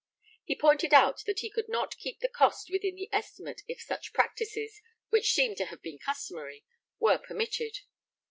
He pointed out that he could not keep the cost within the estimate if such practices, which seem to have been customary, were permitted.